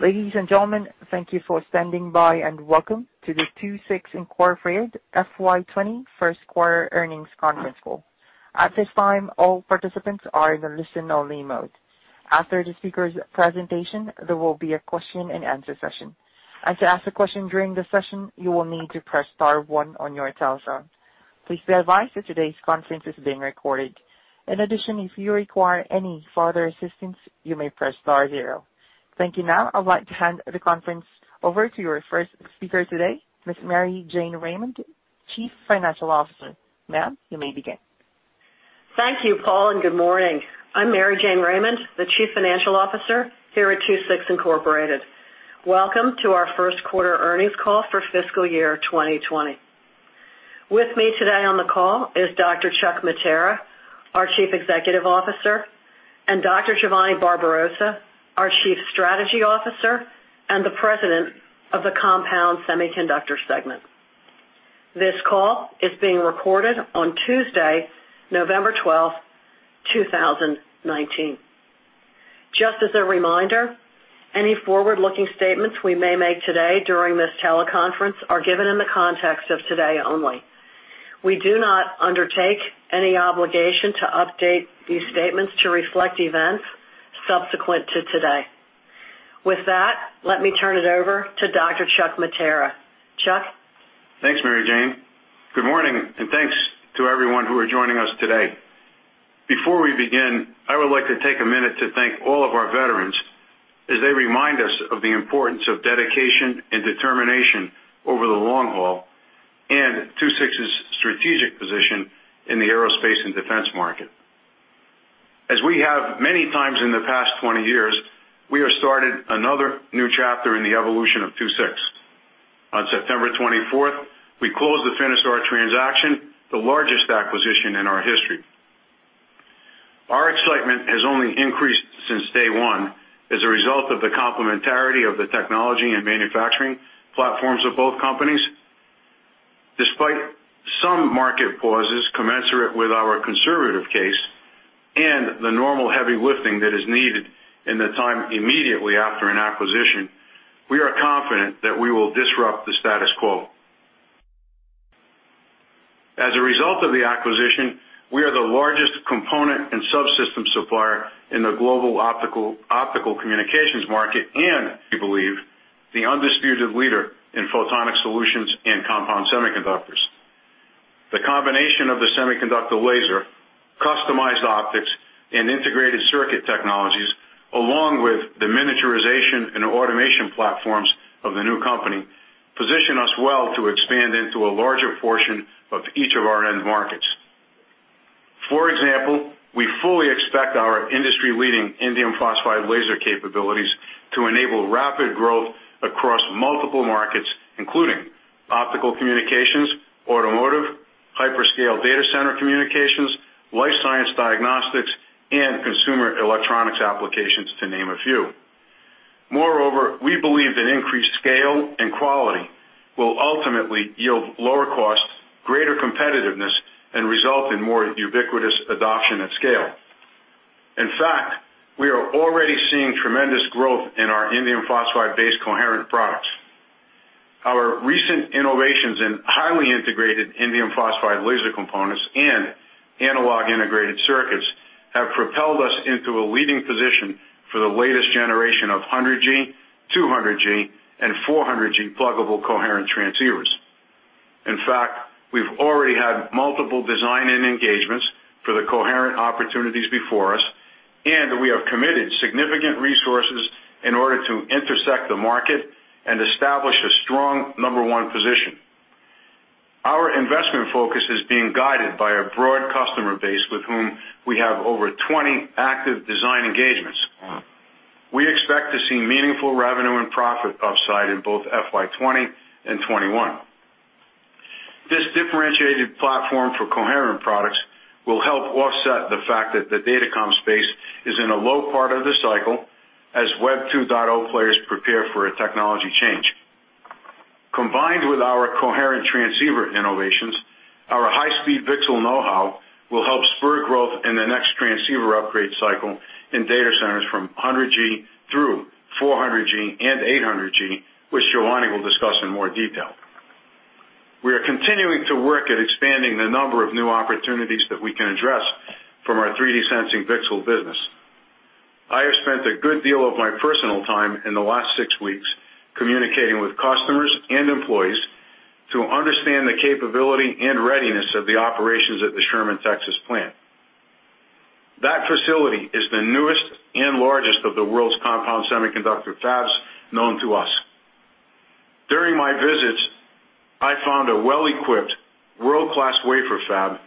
Ladies and gentlemen, thank you for standing by and welcome to the II-VI Incorporated FY2020 first quarter earnings conference call. At this time, all participants are in the listen-only mode. After the speaker's presentation, there will be a question-and-answer session. To ask a question during the session, you will need to press star one on your telephone. Please be advised that today's conference is being recorded. In addition, if you require any further assistance, you may press star zero. Thank you. Now, I'd like to hand the conference over to your first speaker today, Ms. Mary Jane Raymond, Chief Financial Officer. Ma'am, you may begin. Thank you, Paul, and good morning. I'm Mary Jane Raymond, the Chief Financial Officer here at II-VI Incorporated. Welcome to our First Quarter Earnings Call for Fiscal Year 2020. With me today on the call is Dr. Chuck Mattera, our Chief Executive Officer, and Dr. Giovanni Barbarossa, our Chief Strategy Officer and the President of the Compound Semiconductor Segment. This call is being recorded on Tuesday, November 12th, 2019. Just as a reminder, any forward-looking statements we may make today during this teleconference are given in the context of today only. We do not undertake any obligation to update these statements to reflect events subsequent to today. With that, let me turn it over to Dr. Chuck Mattera. Chuck. Thanks, Mary Jane. Good morning, and thanks to everyone who is joining us today. Before we begin, I would like to take a minute to thank all of our veterans as they remind us of the importance of dedication and determination over the long haul and Coherent's strategic position in the aerospace and defense market. As we have many times in the past 20 years, we have started another new chapter in the evolution of Coherent. On September 24, we closed the Finisar transaction, the largest acquisition in our history. Our excitement has only increased since day one as a result of the complementarity of the technology and manufacturing platforms of both companies. Despite some market pauses commensurate with our conservative case and the normal heavy lifting that is needed in the time immediately after an acquisition, we are confident that we will disrupt the status quo. As a result of the acquisition, we are the largest component and subsystem supplier in the global optical communications market and, we believe, the undisputed leader in photonic solutions and compound semiconductors. The combination of the semiconductor laser, customized optics, and integrated circuit technologies, along with the miniaturization and automation platforms of the new company, position us well to expand into a larger portion of each of our end markets. For example, we fully expect our industry-leading indium phosphide laser capabilities to enable rapid growth across multiple markets, including optical communications, automotive, hyperscale data center communications, life science diagnostics, and consumer electronics applications, to name a few. Moreover, we believe that increased scale and quality will ultimately yield lower costs, greater competitiveness, and result in more ubiquitous adoption at scale. In fact, we are already seeing tremendous growth in our indium phosphide-based coherent products. Our recent innovations in highly integrated indium phosphide laser components and analog integrated circuits have propelled us into a leading position for the latest generation of 100G, 200G, and 400G pluggable coherent transceivers. In fact, we've already had multiple design and engagements for the coherent opportunities before us, and we have committed significant resources in order to intersect the market and establish a strong number one position. Our investment focus is being guided by a broad customer base with whom we have over 20 active design engagements. We expect to see meaningful revenue and profit upside in both FY2020 and FY2021. This differentiated platform for coherent products will help offset the fact that the data comm space is in a low part of the cycle as Web 2.0 players prepare for a technology change. Combined with our coherent transceiver innovations, our high-speed VCSEL know-how will help spur growth in the next transceiver upgrade cycle in data centers from 100G through 400G and 800G, which Giovanni will discuss in more detail. We are continuing to work at expanding the number of new opportunities that we can address from our 3D sensing VCSEL business. I have spent a good deal of my personal time in the last six weeks communicating with customers and employees to understand the capability and readiness of the operations at the Sherman, Texas plant. That facility is the newest and largest of the world's compound semiconductor fabs known to us. During my visits, I found a well-equipped, world-class wafer fab,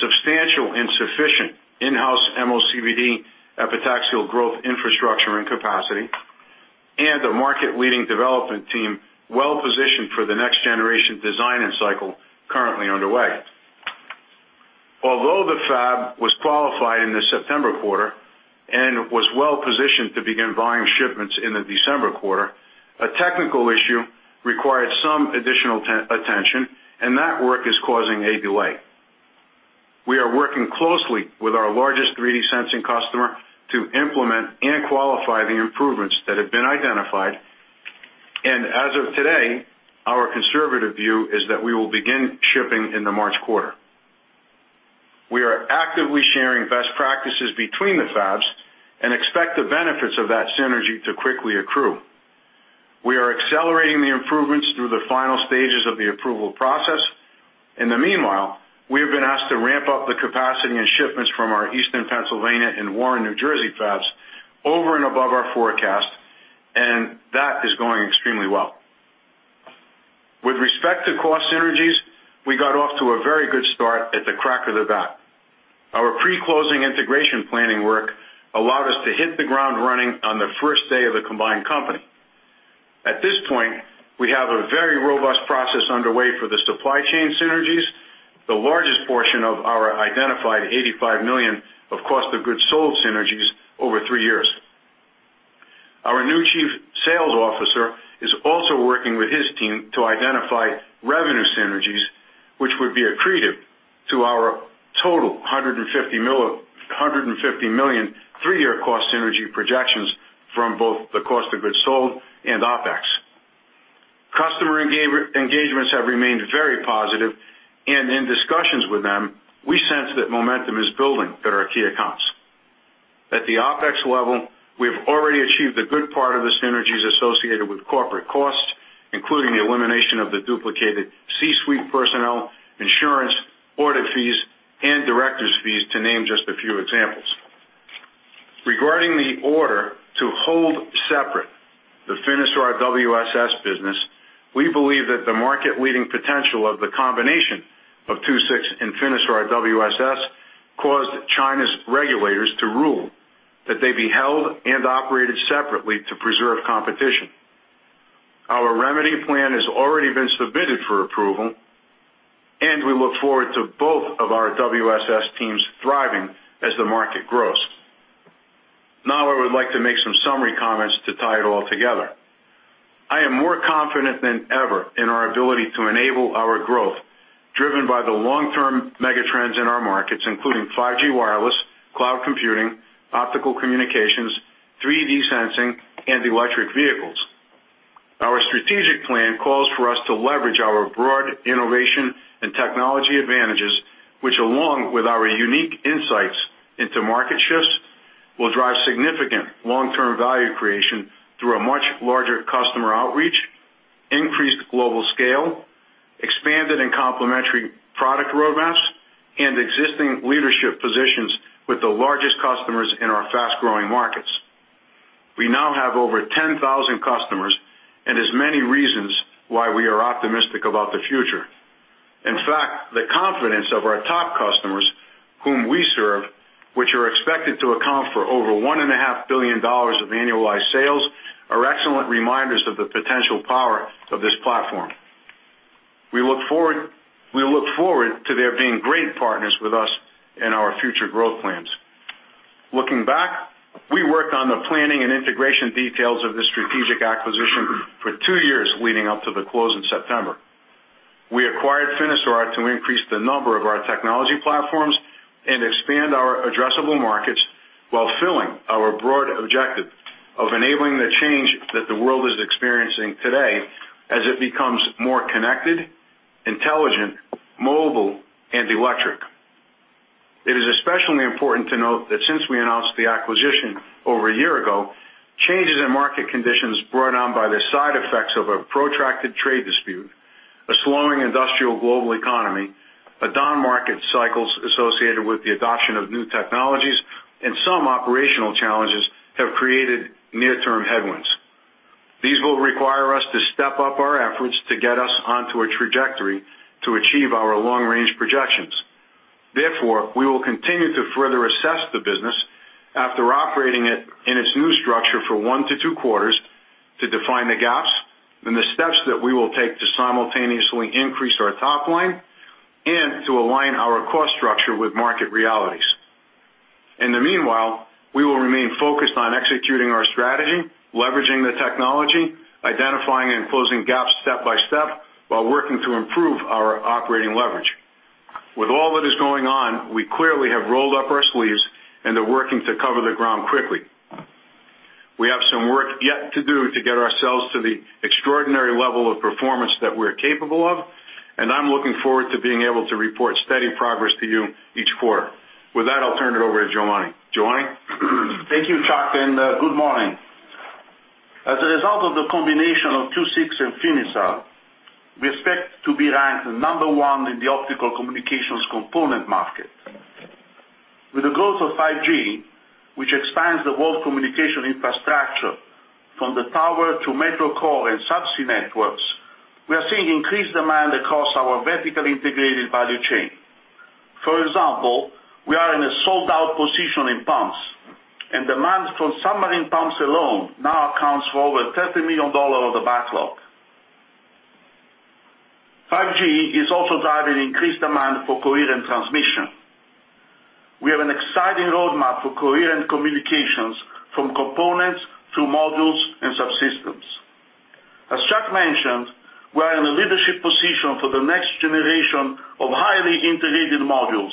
substantial and sufficient in-house MOCVD, epitaxial growth infrastructure and capacity, and a market-leading development team well-positioned for the next generation design and cycle currently underway. Although the fab was qualified in the September quarter and was well-positioned to begin buying shipments in the December quarter, a technical issue required some additional attention, and that work is causing a delay. We are working closely with our largest 3D sensing customer to implement and qualify the improvements that have been identified, and as of today, our conservative view is that we will begin shipping in the March quarter. We are actively sharing best practices between the fabs and expect the benefits of that synergy to quickly accrue. We are accelerating the improvements through the final stages of the approval process. In the meanwhile, we have been asked to ramp up the capacity and shipments from our Eastern Pennsylvania and Warren, New Jersey fabs over and above our forecast, and that is going extremely well. With respect to cost synergies, we got off to a very good start at the crack of the bat. Our pre-closing integration planning work allowed us to hit the ground running on the first day of the combined company. At this point, we have a very robust process underway for the supply chain synergies, the largest portion of our identified $85 million of cost of goods sold synergies over three years. Our new Chief Sales Officer is also working with his team to identify revenue synergies, which would be accretive to our total $150 million three-year cost synergy projections from both the cost of goods sold and OpEx. Customer engagements have remained very positive, and in discussions with them, we sense that momentum is building at our key accounts. At the OpEx level, we have already achieved a good part of the synergies associated with corporate costs, including the elimination of the duplicated C-suite personnel, insurance, audit fees, and directors' fees, to name just a few examples. Regarding the order to hold separate the Finisar WSS business, we believe that the market-leading potential of the combination of Coherent and Finisar WSS caused China's regulators to rule that they be held and operated separately to preserve competition. Our remedy plan has already been submitted for approval, and we look forward to both of our WSS teams thriving as the market grows. Now, I would like to make some summary comments to tie it all together. I am more confident than ever in our ability to enable our growth, driven by the long-term megatrends in our markets, including 5G wireless, cloud computing, optical communications, 3D sensing, and electric vehicles. Our strategic plan calls for us to leverage our broad innovation and technology advantages, which, along with our unique insights into market shifts, will drive significant long-term value creation through a much larger customer outreach, increased global scale, expanded and complementary product roadmaps, and existing leadership positions with the largest customers in our fast-growing markets. We now have over 10,000 customers and as many reasons why we are optimistic about the future. In fact, the confidence of our top customers, whom we serve, which are expected to account for over $1.5 billion of annualized sales, are excellent reminders of the potential power of this platform. We look forward to their being great partners with us in our future growth plans. Looking back, we worked on the planning and integration details of the strategic acquisition for two years leading up to the close in September. We acquired Finisar to increase the number of our technology platforms and expand our addressable markets while filling our broad objective of enabling the change that the world is experiencing today as it becomes more connected, intelligent, mobile, and electric. It is especially important to note that since we announced the acquisition over a year ago, changes in market conditions brought on by the side effects of a protracted trade dispute, a slowing industrial global economy, a downmarket cycle associated with the adoption of new technologies, and some operational challenges have created near-term headwinds. These will require us to step up our efforts to get us onto a trajectory to achieve our long-range projections. Therefore, we will continue to further assess the business after operating it in its new structure for one to two quarters to define the gaps and the steps that we will take to simultaneously increase our top line and to align our cost structure with market realities. In the meanwhile, we will remain focused on executing our strategy, leveraging the technology, identifying and closing gaps step by step while working to improve our operating leverage. With all that is going on, we clearly have rolled up our sleeves and are working to cover the ground quickly. We have some work yet to do to get ourselves to the extraordinary level of performance that we're capable of, and I'm looking forward to being able to report steady progress to you each quarter. With that, I'll turn it over to Giovanni. Giovanni? Thank you, Chuck, and good morning. As a result of the combination of 26 and Finisar, we expect to be ranked number one in the optical communications component market. With the growth of 5G, which expands the world communication infrastructure from the tower to metro core and subsea networks, we are seeing increased demand across our vertically integrated value chain. For example, we are in a sold-out position in pumps, and demand for submarine pumps alone now accounts for over $30 million of the backlog. 5G is also driving increased demand for coherent transmission. We have an exciting roadmap for coherent communications from components to modules and subsystems. As Chuck mentioned, we are in a leadership position for the next generation of highly integrated modules,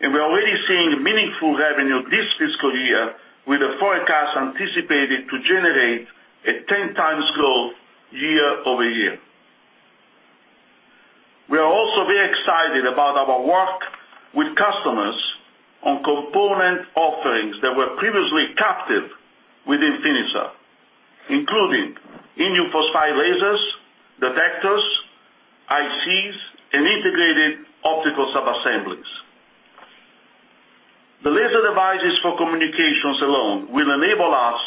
and we are already seeing meaningful revenue this fiscal year, with a forecast anticipated to generate a 10 times growth year-over-year. We are also very excited about our work with customers on component offerings that were previously captive within Finisar, including indium phosphide lasers, detectors, ICs, and integrated optical subassemblies. The laser devices for communications alone will enable us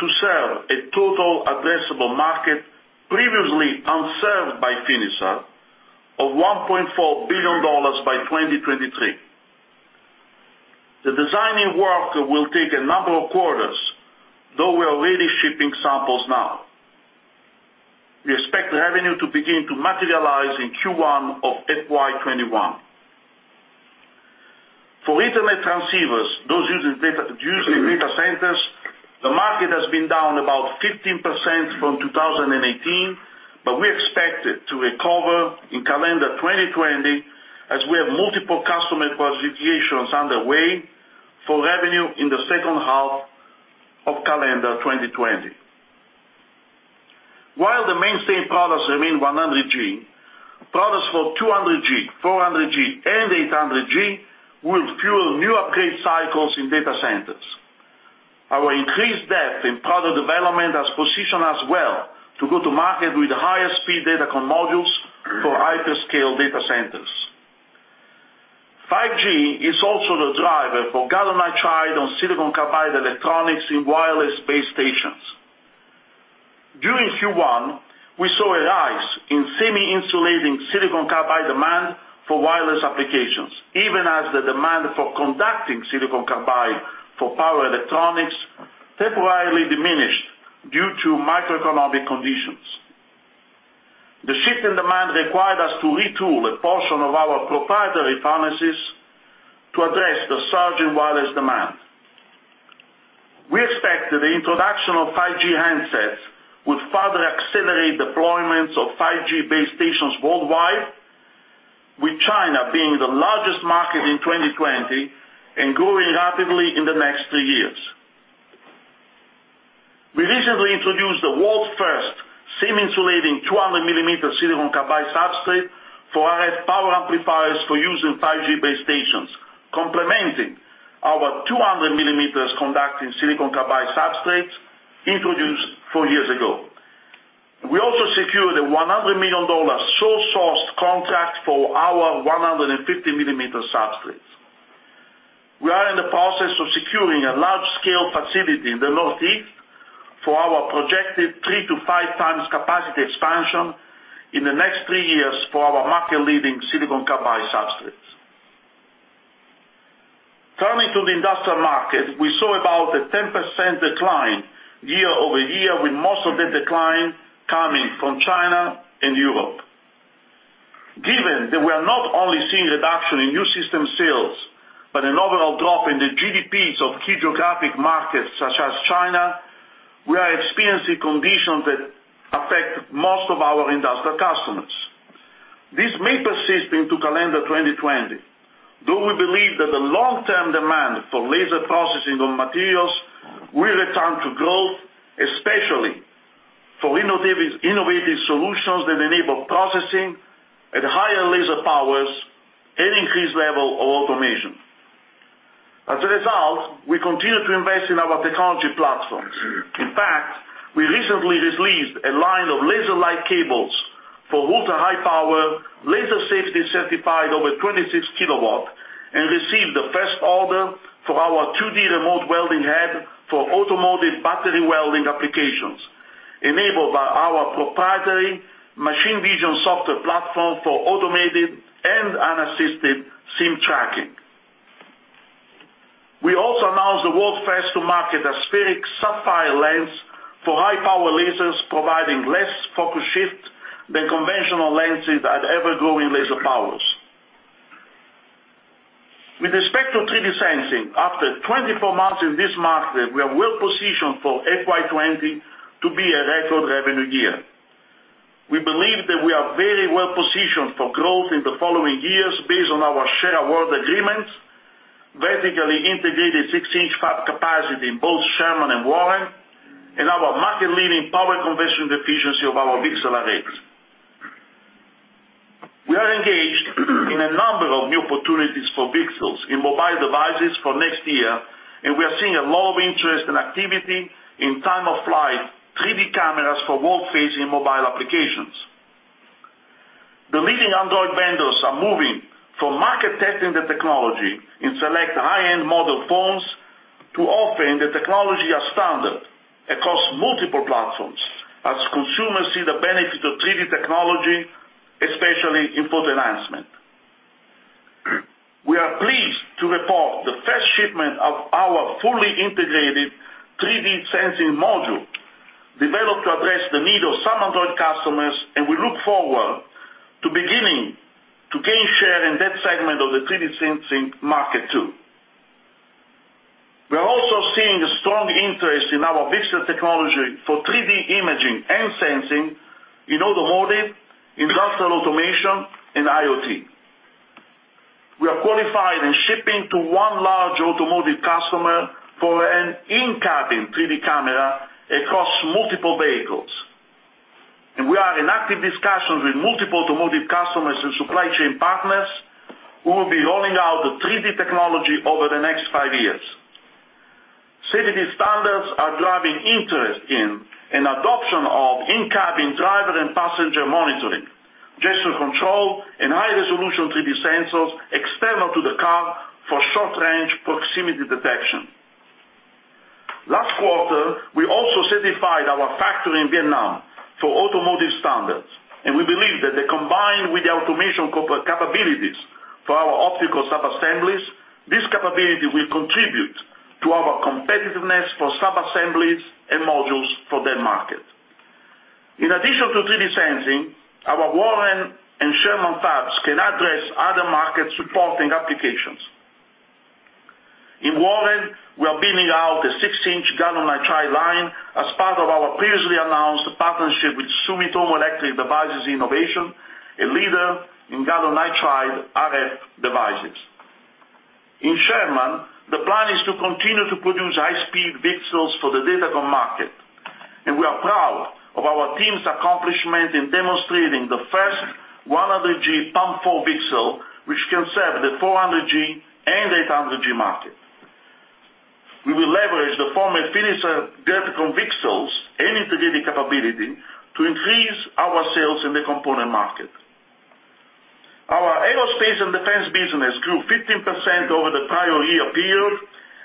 to serve a total addressable market previously unserved by Finisar of $1.4 billion by 2023. The designing work will take a number of quarters, though we are already shipping samples now. We expect revenue to begin to materialize in Q1 of FY2021. For internet transceivers, those using data centers, the market has been down about 15% from 2018, but we expect it to recover in calendar 2020 as we have multiple customer qualifications underway for revenue in the second half of calendar 2020. While the mainstay products remain 100G, products for 200G, 400G, and 800G will fuel new upgrade cycles in data centers. Our increased depth in product development has positioned us well to go to market with the highest speed datacom modules for hyperscale data centers. 5G is also the driver for galvanized shield on silicon carbide electronics in wireless base stations. During Q1, we saw a rise in semi-insulating silicon carbide demand for wireless applications, even as the demand for conducting silicon carbide for power electronics temporarily diminished due to microeconomic conditions. The shift in demand required us to retool a portion of our proprietary foundries to address the surging wireless demand. We expect that the introduction of 5G handsets would further accelerate deployments of 5G base stations worldwide, with China being the largest market in 2020 and growing rapidly in the next three years. We recently introduced the world's first semi-insulating 200 mm silicon carbide substrate for RF power amplifiers for use in 5G base stations, complementing our 200 mm conducting silicon carbide substrates introduced four years ago. We also secured a $100 million sole-source contract for our 150 mm substrates. We are in the process of securing a large-scale facility in the Northeast for our projected three to five times capacity expansion in the next three years for our market-leading silicon carbide substrates. Turning to the industrial market, we saw about a 10% decline year-over-year, with most of the decline coming from China and Europe. Given that we are not only seeing a reduction in new system sales, but an overall drop in the GDPs of key geographic markets such as China, we are experiencing conditions that affect most of our industrial customers. This may persist into calendar 2020, though we believe that the long-term demand for laser processing of materials will return to growth, especially for innovative solutions that enable processing at higher laser powers and increased level of automation. As a result, we continue to invest in our technology platforms. In fact, we recently released a line of laser-like cables for ultra-high power, laser-safety certified over 26 kw, and received the first order for our 2D remote welding head for automotive battery welding applications, enabled by our proprietary machine vision software platform for automated and unassisted SIM tracking. We also announced the world's first-to-market aspheric sapphire lens for high-power lasers, providing less focus shift than conventional lenses at ever-growing laser powers. With respect to 3D sensing, after 24 months in this market, we are well-positioned for FY2020 to be a record revenue year. We believe that we are very well-positioned for growth in the following years based on our share award agreements, vertically integrated 16-inch fab capacity in both Sherman and Warren, and our market-leading power conversion efficiency of our VCSEL arrays. We are engaged in a number of new opportunities for VCSELs in mobile devices for next year, and we are seeing a lot of interest and activity in time-of-flight 3D cameras for world-facing mobile applications. The leading Android vendors are moving from market testing the technology in select high-end model phones to offering the technology as standard across multiple platforms, as consumers see the benefit of 3D technology, especially in photo enhancement. We are pleased to report the first shipment of our fully integrated 3D sensing module developed to address the need of some Android customers, and we look forward to beginning to gain share in that segment of the 3D sensing market too. We are also seeing a strong interest in our VCSEL technology for 3D imaging and sensing in automotive, industrial automation, and IoT. We are qualified in shipping to one large automotive customer for an in-cabin 3D camera across multiple vehicles, and we are in active discussions with multiple automotive customers and supply chain partners who will be rolling out the 3D technology over the next five years. CVD standards are driving interest in and adoption of in-cabin driver and passenger monitoring, gesture control, and high-resolution 3D sensors external to the car for short-range proximity detection. Last quarter, we also certified our factory in Vietnam for automotive standards, and we believe that combined with the automation capabilities for our optical subassemblies, this capability will contribute to our competitiveness for subassemblies and modules for that market. In addition to 3D sensing, our Warren and Sherman fabs can address other market-supporting applications. In Warren, we are building out a 6-inch gallium arsenide line as part of our previously announced partnership with Sumitomo Electric Device Innovations, a leader in gallium arsenide RF devices. In Sherman, the plan is to continue to produce high-speed VCSELs for the datacom market, and we are proud of our team's accomplishment in demonstrating the first 100G Pump-4 VCSEL, which can serve the 400G and 800G market. We will leverage the former Finisar datacom VCSELs and integrated capability to increase our sales in the component market. Our aerospace and defense business grew 15% over the prior year period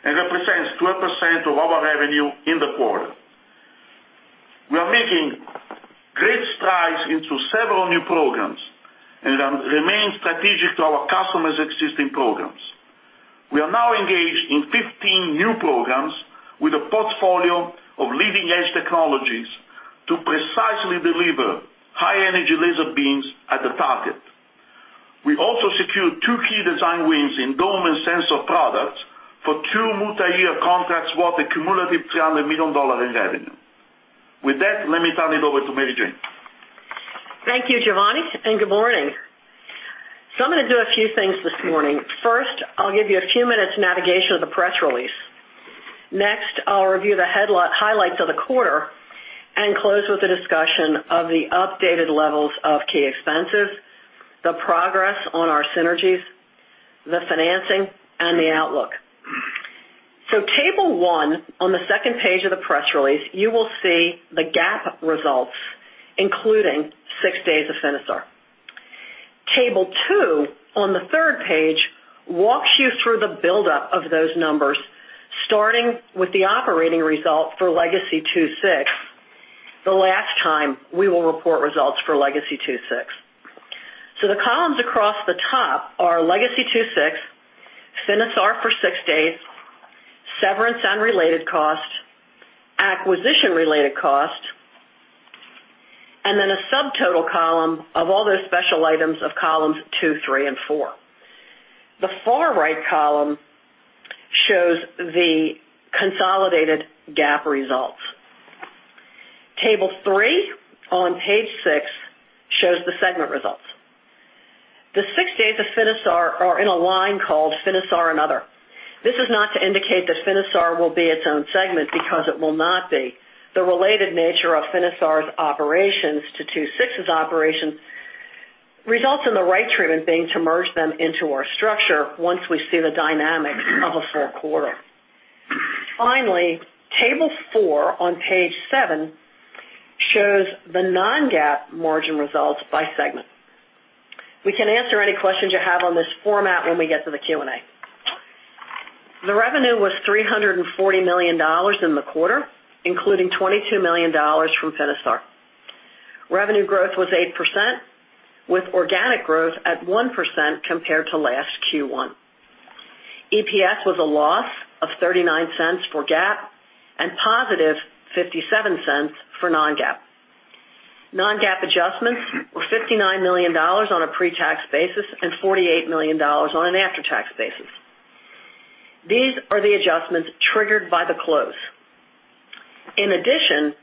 and represents 12% of our revenue in the quarter. We are making great strides into several new programs and remain strategic to our customers' existing programs. We are now engaged in 15 new programs with a portfolio of leading-edge technologies to precisely deliver high-energy laser beams at the target. We also secured two key design wins in dome and sensor products for two multi-year contracts worth a cumulative $300 million in revenue. With that, let me turn it over to Mary Jane. Thank you, Giovanni, and good morning. I'm going to do a few things this morning. First, I'll give you a few minutes of navigation of the press release. Next, I'll review the highlights of the quarter and close with a discussion of the updated levels of key expenses, the progress on our synergies, the financing, and the outlook. Table one on the second page of the press release, you will see the GAAP results, including six days of Finisar. Table two on the third page walks you through the buildup of those numbers, starting with the operating result for Legacy II-VI, the last time we will report results for Legacy II-VI. The columns across the top are Legacy II-VI, Finisar for six days, severance and related cost, acquisition-related cost, and then a subtotal column of all those special items of columns two, three, and four. The far right column shows the consolidated GAAP results. Table three on page six shows the segment results. The six days of Finisar are in a line called Finisar and Other. This is not to indicate that Finisar will be its own segment because it will not be. The related nature of Finisar's operations to Coherent's operations results in the right treatment being to merge them into our structure once we see the dynamics of a full quarter. Finally, table four on page seven shows the non-GAAP margin results by segment. We can answer any questions you have on this format when we get to the Q&A. The revenue was $340 million in the quarter, including $22 million from Finisar. Revenue growth was 8%, with organic growth at 1% compared to last Q1. EPS was a loss of $0.39 for GAAP and positive $0.57 for non-GAAP. Non-GAAP adjustments were $59 million on a pre-tax basis and $48 million on an after-tax basis. These are the adjustments triggered by the close. In addition,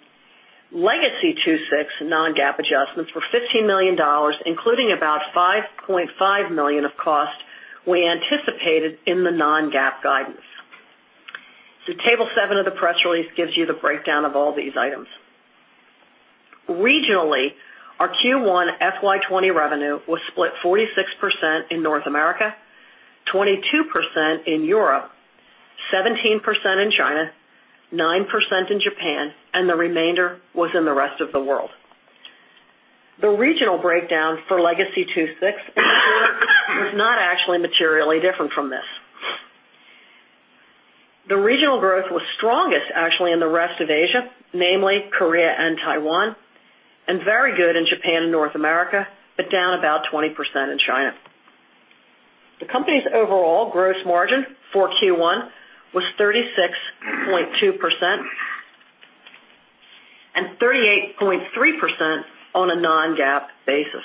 Legacy II-VI non-GAAP adjustments were $15 million, including about $5.5 million of cost we anticipated in the non-GAAP guidance. Table seven of the press release gives you the breakdown of all these items. Regionally, our Q1 FY2020 revenue was split 46% in North America, 22% in Europe, 17% in China, 9% in Japan, and the remainder was in the rest of the world. The regional breakdown for Legacy II-VI was not actually materially different from this. The regional growth was strongest, actually, in the rest of Asia, namely Korea and Taiwan, and very good in Japan and North America, but down about 20% in China. The company's overall gross margin for Q1 was 36.2% and 38.3% on a non-GAAP basis.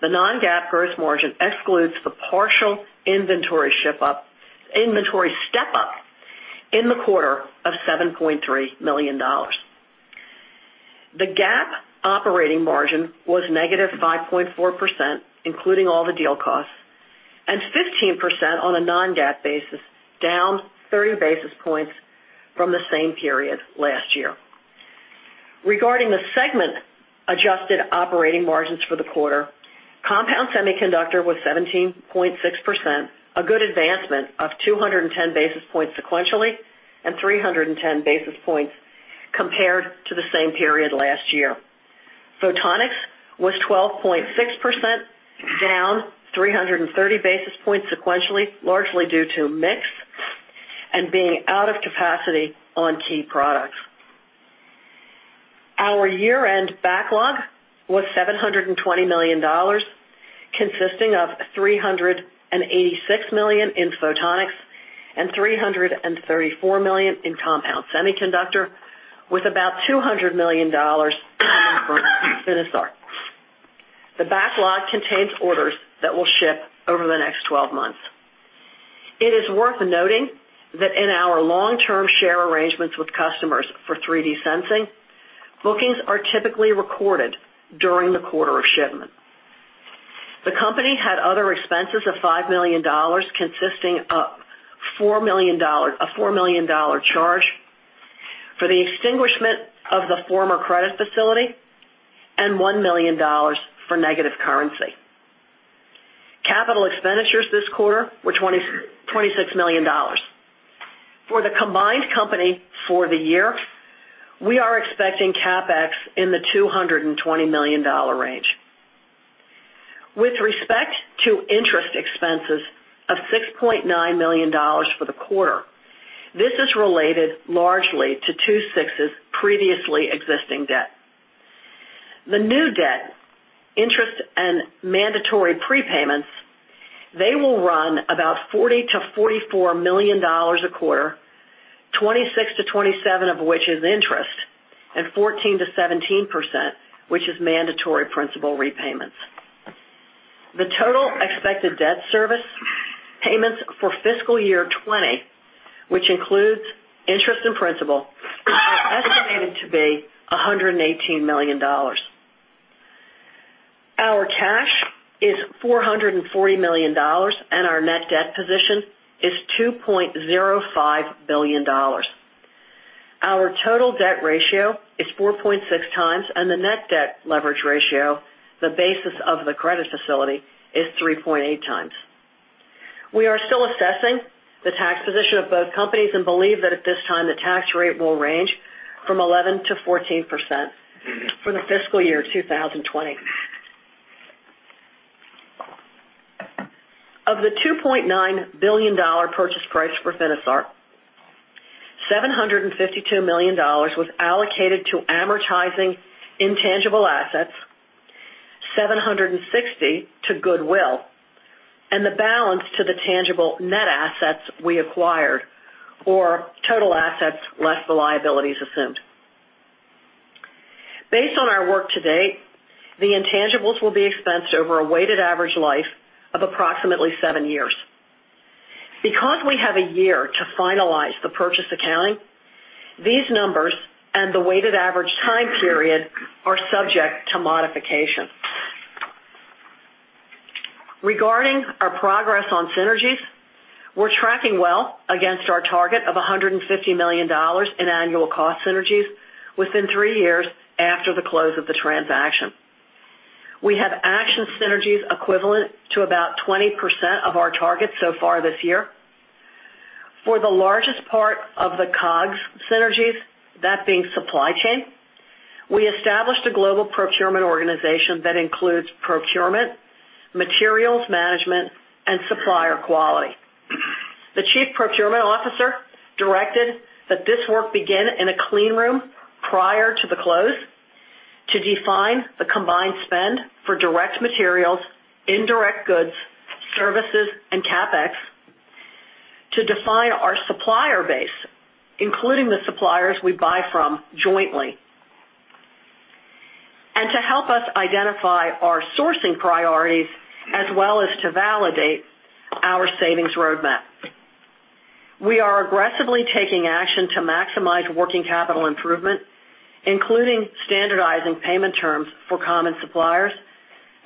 The non-GAAP gross margin excludes the partial inventory step-up in the quarter of $7.3 million. The GAAP operating margin was negative 5.4%, including all the deal costs, and 15% on a non-GAAP basis, down 30 basis points from the same period last year. Regarding the segment-adjusted operating margins for the quarter, compound semiconductor was 17.6%, a good advancement of 210 basis points sequentially and 310 basis points compared to the same period last year. Photonics was 12.6%, down 330 basis points sequentially, largely due to mix and being out of capacity on key products. Our year-end backlog was $720 million, consisting of $386 million in photonics and $334 million in compound semiconductor, with about $200 million coming from Finisar. The backlog contains orders that will ship over the next 12 months. It is worth noting that in our long-term share arrangements with customers for 3D sensing, bookings are typically recorded during the quarter of shipment. The company had other expenses of $5 million, consisting of a $4 million charge for the extinguishment of the former credit facility and $1 million for negative currency. Capital expenditures this quarter were $26 million. For the combined company for the year, we are expecting CapEx in the $220 million range. With respect to interest expenses of $6.9 million for the quarter, this is related largely to Coherent's previously existing debt. The new debt, interest, and mandatory prepayments, they will run about $40-$44 million a quarter, $26-$27 million of which is interest and 14%-17% of which is mandatory principal repayments. The total expected debt service payments for fiscal year 2020, which includes interest and principal, are estimated to be $118 million. Our cash is $440 million, and our net debt position is $2.05 billion. Our total debt ratio is 4.6 times, and the net debt leverage ratio, the basis of the credit facility, is 3.8x. We are still assessing the tax position of both companies and believe that at this time the tax rate will range from 11%-14% for the fiscal year 2020. Of the $2.9 billion purchase price for Finisar, $752 million was allocated to amortizing intangible assets, $760 million to Goodwill, and the balance to the tangible net assets we acquired, or total assets less the liabilities assumed. Based on our work to date, the intangibles will be expensed over a weighted average life of approximately seven years. Because we have a year to finalize the purchase accounting, these numbers and the weighted average time period are subject to modification. Regarding our progress on synergies, we're tracking well against our target of $150 million in annual cost synergies within three years after the close of the transaction. We have action synergies equivalent to about 20% of our target so far this year. For the largest part of the COGS synergies, that being supply chain, we established a global procurement organization that includes procurement, materials management, and supplier quality. The Chief Procurement Officer directed that this work begin in a clean room prior to the close to define the combined spend for direct materials, indirect goods, services, and CapEx, to define our supplier base, including the suppliers we buy from jointly, and to help us identify our sourcing priorities as well as to validate our savings roadmap. We are aggressively taking action to maximize working capital improvement, including standardizing payment terms for common suppliers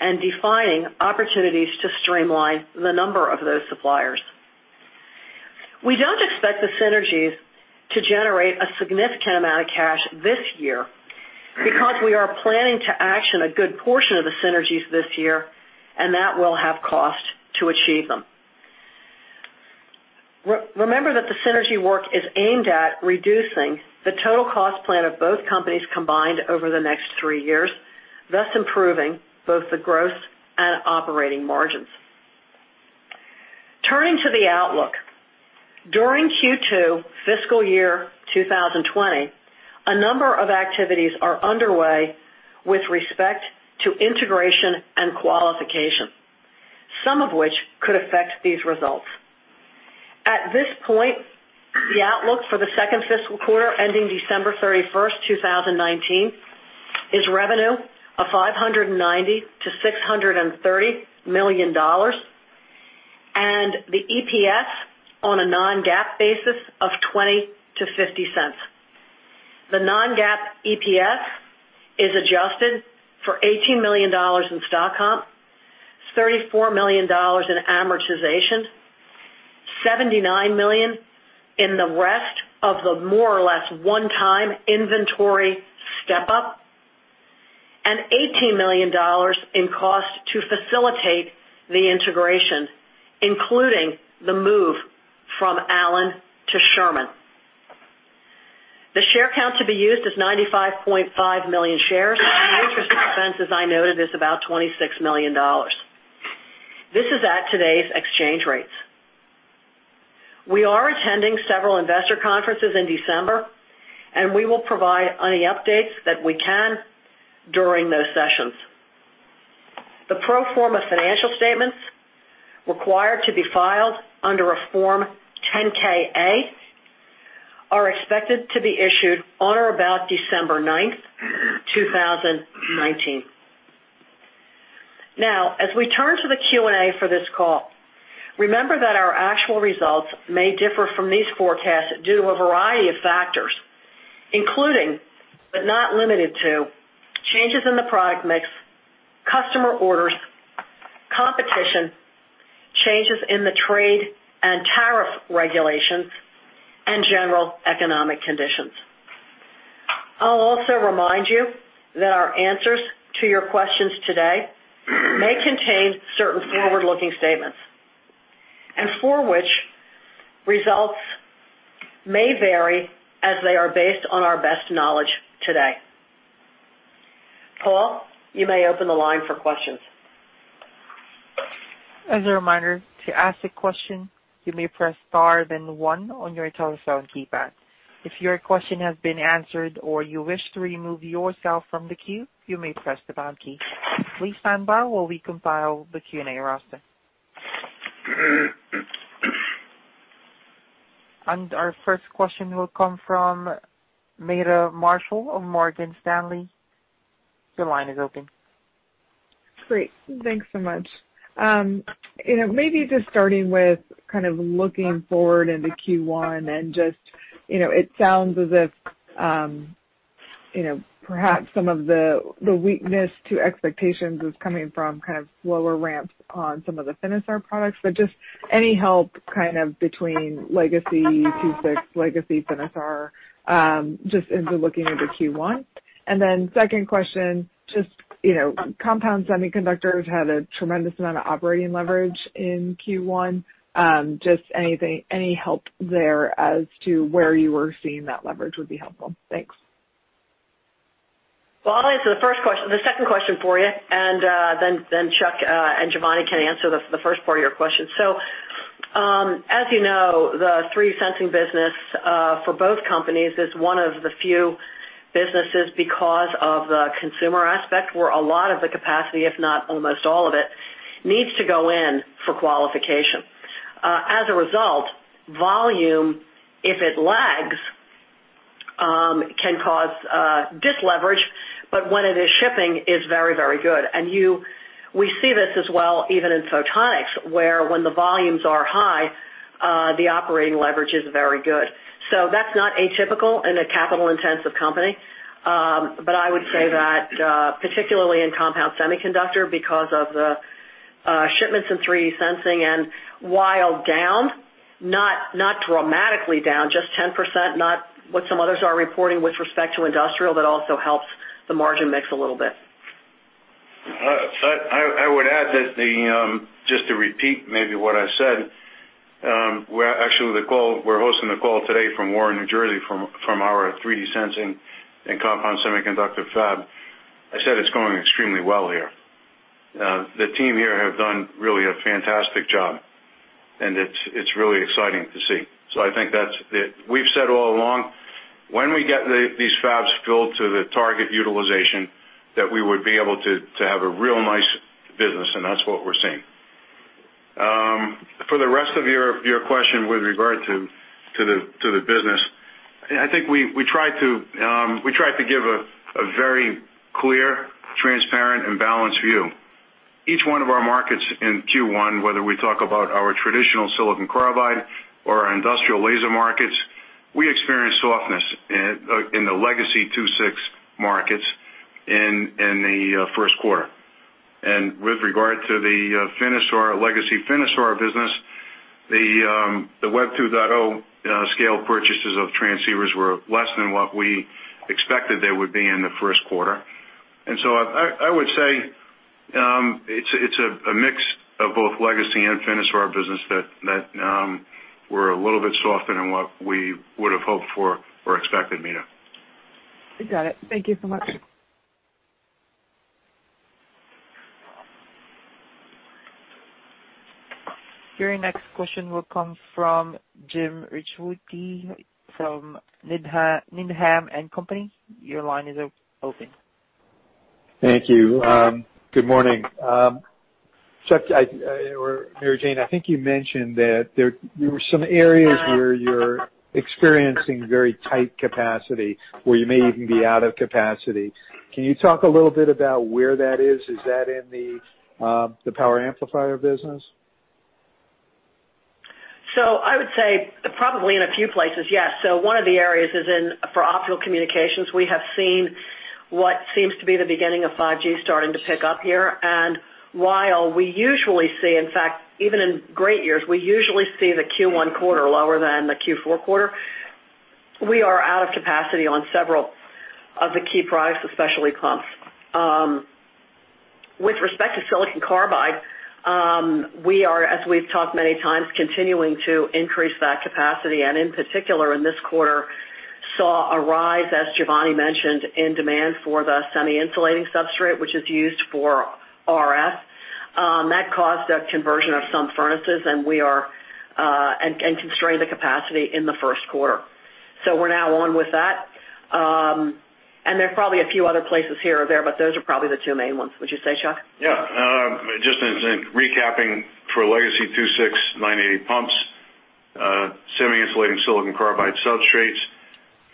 and defining opportunities to streamline the number of those suppliers. We do not expect the synergies to generate a significant amount of cash this year because we are planning to action a good portion of the synergies this year, and that will have cost to achieve them. Remember that the synergy work is aimed at reducing the total cost plan of both companies combined over the next three years, thus improving both the gross and operating margins. Turning to the outlook, during Q2 fiscal year 2020, a number of activities are underway with respect to integration and qualification, some of which could affect these results. At this point, the outlook for the second fiscal quarter ending December 31, 2019, is revenue of $590 million-$630 million, and the EPS on a non-GAAP basis of $0.20-$0.50. The non-GAAP EPS is adjusted for $18 million in stock comp, $34 million in amortization, $79 million in the rest of the more or less one-time inventory step-up, and $18 million in cost to facilitate the integration, including the move from Allen to Sherman. The share count to be used is 95.5 million shares. Interest expense, as I noted, is about $26 million. This is at today's exchange rates. We are attending several investor conferences in December, and we will provide any updates that we can during those sessions. The pro forma financial statements required to be filed under a Form 10-KA are expected to be issued on or about December 9, 2019. Now, as we turn to the Q&A for this call, remember that our actual results may differ from these forecasts due to a variety of factors, including but not limited to changes in the product mix, customer orders, competition, changes in the trade and tariff regulations, and general economic conditions. I'll also remind you that our answers to your questions today may contain certain forward-looking statements and for which results may vary as they are based on our best knowledge today. Paul, you may open the line for questions. As a reminder, to ask a question, you may press star then one on your telephone keypad. If your question has been answered or you wish to remove yourself from the queue, you may press the pound key. Please stand by while we compile the Q&A roster. Our first question will come from Meta Marshall of Morgan Stanley. Your line is open. Great. Thanks so much. Maybe just starting with kind of looking forward into Q1 and just it sounds as if perhaps some of the weakness to expectations is coming from kind of lower ramps on some of the Finisar products, but just any help kind of between Legacy II-VI, Legacy Finisar, just into looking into Q1. Second question, just compound semiconductors had a tremendous amount of operating leverage in Q1. Just any help there as to where you were seeing that leverage would be helpful. Thanks. I'll answer the second question for you, and then Chuck and Giovanni can answer the first part of your question. As you know, the 3D sensing business for both companies is one of the few businesses because of the consumer aspect where a lot of the capacity, if not almost all of it, needs to go in for qualification. As a result, volume, if it lags, can cause disleverage, but when it is shipping, it's very, very good. We see this as well even in photonics where when the volumes are high, the operating leverage is very good. That's not atypical in a capital-intensive company, but I would say that particularly in compound semiconductor because of the shipments and 3D sensing and while down, not dramatically down, just 10%, not what some others are reporting with respect to industrial, but also helps the margin mix a little bit. I would add that just to repeat maybe what I said, we're actually hosting the call today from Warren, New Jersey, from our 3D sensing and compound semiconductor fab. I said it's going extremely well here. The team here have done really a fantastic job, and it's really exciting to see. I think that's it. We've said all along, when we get these fabs filled to the target utilization, that we would be able to have a real nice business, and that's what we're seeing. For the rest of your question with regard to the business, I think we tried to give a very clear, transparent, and balanced view. Each one of our markets in Q1, whether we talk about our traditional silicon carbide or our industrial laser markets, we experienced softness in the legacy II-VI markets in the first quarter. With regard to the Legacy Finisar business, the Web 2.0 scale purchases of transceivers were less than what we expected they would be in the first quarter. I would say it's a mix of both Legacy and Finisar business that were a little bit softer than what we would have hoped for or expected, Meta. Got it. Thank you so much. Your next question will come from Jim Ricchiuti from Needham & Company. Your line is open. Thank you. Good morning. Chuck or Mary Jane, I think you mentioned that there were some areas where you're experiencing very tight capacity, where you may even be out of capacity. Can you talk a little bit about where that is? Is that in the power amplifier business? I would say probably in a few places, yes. One of the areas is in for optical communications. We have seen what seems to be the beginning of 5G starting to pick up here. While we usually see, in fact, even in great years, we usually see the Q1 quarter lower than the Q4 quarter, we are out of capacity on several of the key products, especially pumps. With respect to silicon carbide, we are, as we've talked many times, continuing to increase that capacity. In particular, in this quarter, saw a rise, as Giovanni mentioned, in demand for the semi-insulating substrate, which is used for RF. That caused a conversion of some furnaces and constrained the capacity in the first quarter. We are now on with that. There are probably a few other places here or there, but those are probably the two main ones. Would you say, Chuck? Yeah. Just as a recapping for Legacy II-VI, 980 pumps, semi-insulating silicon carbide substrates,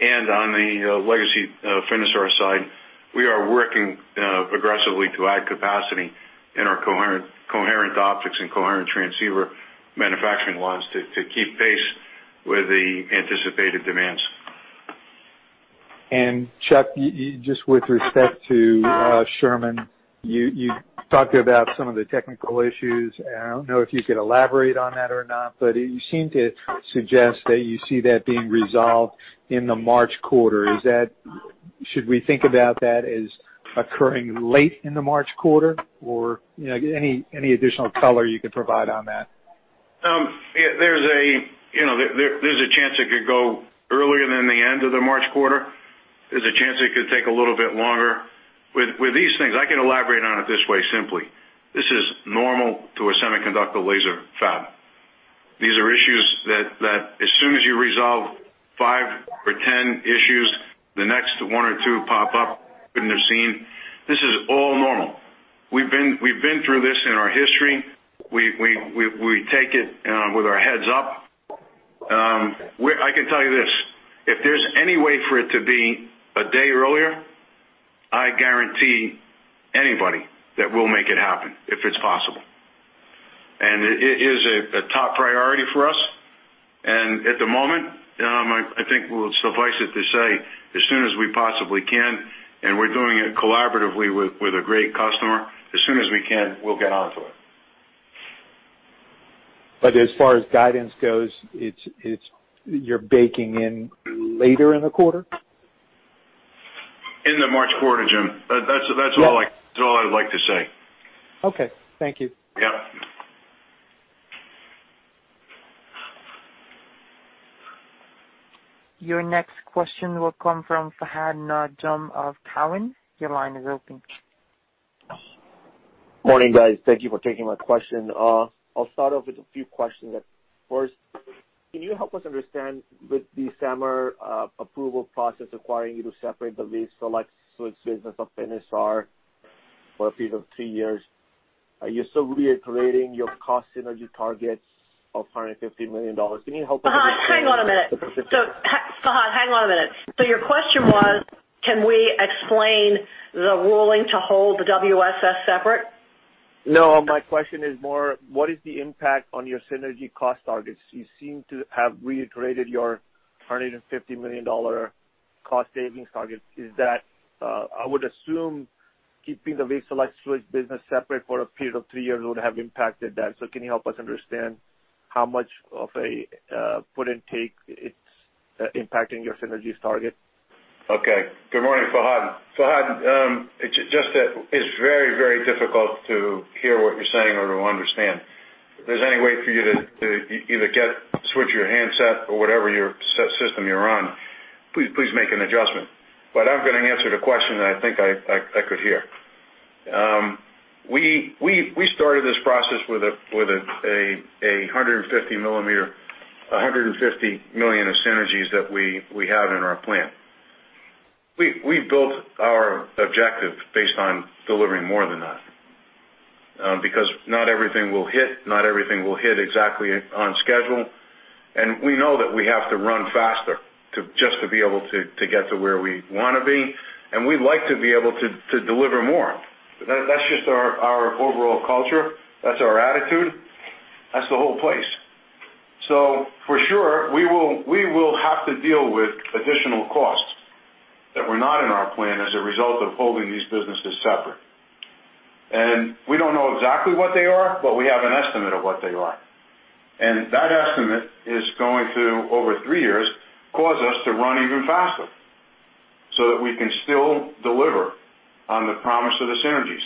and on the Legacy Finisar side, we are working aggressively to add capacity in our coherent optics and coherent transceiver manufacturing lines to keep pace with the anticipated demands. Chuck, just with respect to Sherman, you talked about some of the technical issues. I do not know if you could elaborate on that or not, but you seem to suggest that you see that being resolved in the March quarter. Should we think about that as occurring late in the March quarter? Or any additional color you could provide on that? There's a chance it could go earlier than the end of the March quarter. There's a chance it could take a little bit longer. With these things, I can elaborate on it this way simply. This is normal to a semiconductor laser fab. These are issues that as soon as you resolve five or ten issues, the next one or two pop up, couldn't have seen. This is all normal. We've been through this in our history. We take it with our heads up. I can tell you this. If there's any way for it to be a day earlier, I guarantee anybody that we'll make it happen if it's possible. It is a top priority for us. At the moment, I think it's suffice it to say, as soon as we possibly can, and we're doing it collaboratively with a great customer, as soon as we can, we'll get onto it. As far as guidance goes, you're baking in later in the quarter? In the March quarter, Jim. That's all I'd like to say. Okay. Thank you. Yep. Your next question will come from Fahad Najam of Cowen. Your line is open. Morning, guys. Thank you for taking my question. I'll start off with a few questions. First, can you help us understand with the summer approval process requiring you to separate the Wavelength Selective Switch business of Finisar for a period of three years? You're still reiterating your cost synergy targets of $150 million. Can you help us understand? Hang on a minute. Farhad, hang on a minute. Your question was, can we explain the ruling to hold the WSS separate? No. My question is more, what is the impact on your synergy cost targets? You seem to have reiterated your $150 million cost savings target. Is that, I would assume, keeping the Wavelength Selective Switch business separate for a period of three years would have impacted that? Can you help us understand how much of a put and take it's impacting your synergy target? Okay. Good morning, Fahad. Fahad, it's very, very difficult to hear what you're saying or to understand. If there's any way for you to either switch your handset or whatever system you're on, please make an adjustment. I am going to answer the question that I think I could hear. We started this process with $150 million of synergies that we have in our plan. We built our objective based on delivering more than that because not everything will hit, not everything will hit exactly on schedule. We know that we have to run faster just to be able to get to where we want to be. We would like to be able to deliver more. That is just our overall culture. That is our attitude. That is the whole place. For sure, we will have to deal with additional costs that were not in our plan as a result of holding these businesses separate. We do not know exactly what they are, but we have an estimate of what they are. That estimate is going to, over three years, cause us to run even faster so that we can still deliver on the promise of the synergies.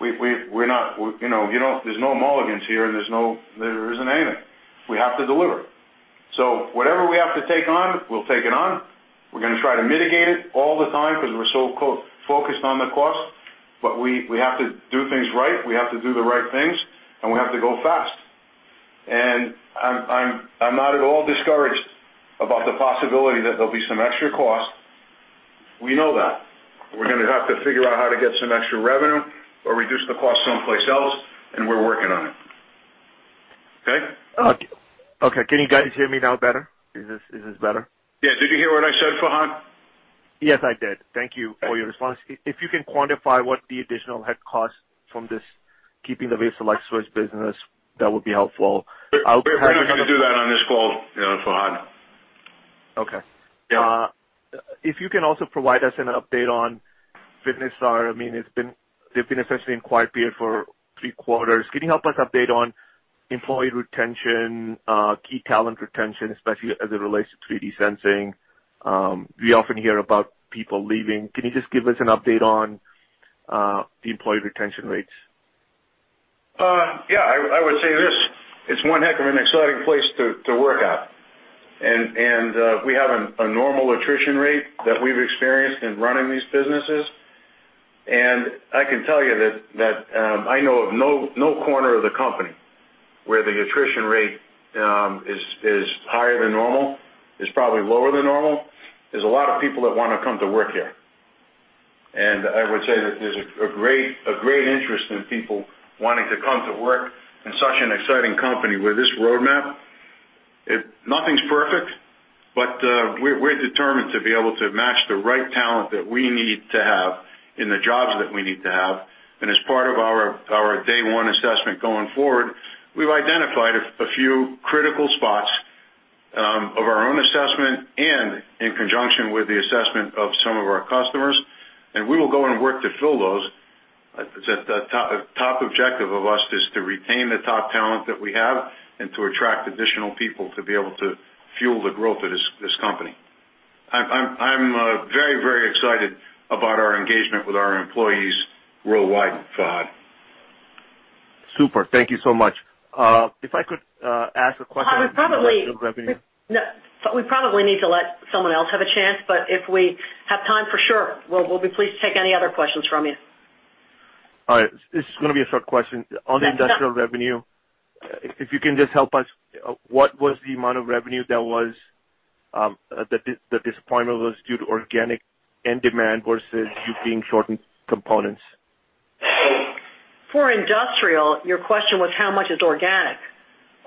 There are no mulligans here, and there is not anything. We have to deliver. Whatever we have to take on, we will take it on. We are going to try to mitigate it all the time because we are so focused on the cost. We have to do things right. We have to do the right things, and we have to go fast. I am not at all discouraged about the possibility that there will be some extra cost. We know that. We're going to have to figure out how to get some extra revenue or reduce the cost someplace else, and we're working on it. Okay? Okay. Can you guys hear me now better? Is this better? Yeah. Did you hear what I said, Fahad? Yes, I did. Thank you for your response. If you can quantify what the additional head cost from this keeping the Wavelength Selective Switch business, that would be helpful. We're going to do that on this call, Fahad. Okay. If you can also provide us an update on Finisar. I mean, they've been essentially in quiet period for three quarters. Can you help us update on employee retention, key talent retention, especially as it relates to 3D sensing? We often hear about people leaving. Can you just give us an update on the employee retention rates? Yeah. I would say this. It is one heck of an exciting place to work at. We have a normal attrition rate that we have experienced in running these businesses. I can tell you that I know of no corner of the company where the attrition rate is higher than normal, it is probably lower than normal. There are a lot of people that want to come to work here. I would say that there is a great interest in people wanting to come to work in such an exciting company with this roadmap. Nothing is perfect, but we are determined to be able to match the right talent that we need to have in the jobs that we need to have. As part of our day one assessment going forward, we have identified a few critical spots of our own assessment and in conjunction with the assessment of some of our customers. We will go and work to fill those. It is a top objective of us to retain the top talent that we have and to attract additional people to be able to fuel the growth of this company. I am very, very excited about our engagement with our employees worldwide, Farhad. Super. Thank you so much. If I could ask a question about industrial revenue. We probably need to let someone else have a chance, but if we have time, for sure. We will be pleased to take any other questions from you. All right. This is going to be a short question. On the industrial revenue, if you can just help us, what was the amount of revenue that the disappointment was due to organic and demand versus you being short on components? For industrial, your question was how much is organic?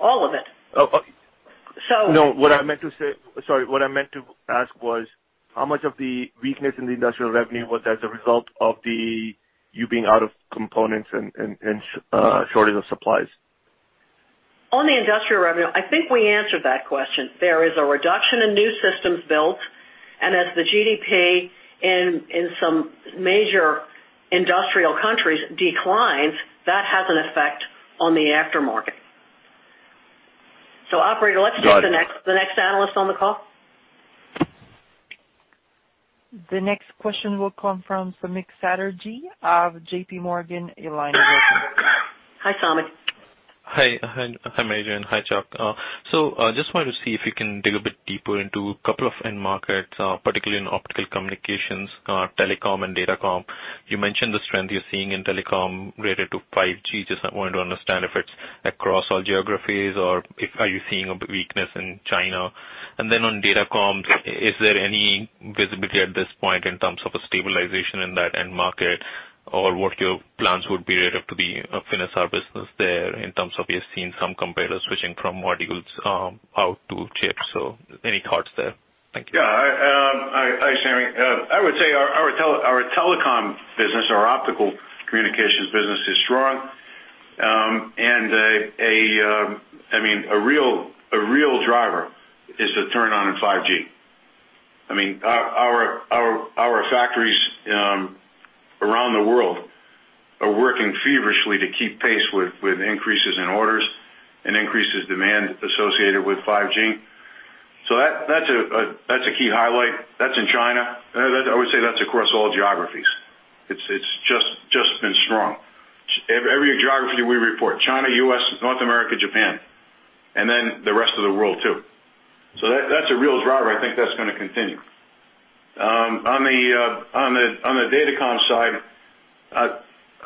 All of it. No. What I meant to say, sorry. What I meant to ask was how much of the weakness in the industrial revenue was as a result of you being out of components and shortage of supplies? On the industrial revenue, I think we answered that question. There is a reduction in new systems built. As the GDP in some major industrial countries declines, that has an effect on the aftermarket. Operator, let's take the next analyst on the call. The next question will come from Samik Chatterjee of JPMorgan, a line of work. Hi, Samik. Hi, Mary Jane. Hi, Chuck. I just wanted to see if you can dig a bit deeper into a couple of end markets, particularly in optical communications, telecom, and data com. You mentioned the strength you're seeing in telecom related to 5G. I just wanted to understand if it's across all geographies or are you seeing a weakness in China? On data com, is there any visibility at this point in terms of a stabilization in that end market or what your plans would be relative to the Finisar business there in terms of you've seen some competitors switching from modules out to chips? Any thoughts there? Thank you. Yeah. Hi, Samik. I would say our telecom business, our optical communications business, is strong. I mean, a real driver is the turn on in 5G. I mean, our factories around the world are working feverishly to keep pace with increases in orders and increases in demand associated with 5G. That is a key highlight. That is in China. I would say that is across all geographies. It has just been strong. Every geography we report: China, U.S., North America, Japan, and then the rest of the world too. That is a real driver. I think that is going to continue. On the datacom side,